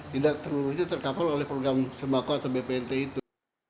tidak seluruhnya terkapal oleh program sembako atau bpnt itu